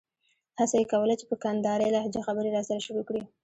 هڅه یې کوله چې په کندارۍ لهجه خبرې راسره شروع کړي.